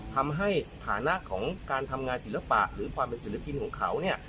ทำให้สถานะของการทำงานศิลปะหรือความเป็นศิลปินของเขาเนี่ย